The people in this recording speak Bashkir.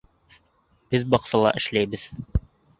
Беҙ баҡсала эшләйбеҙ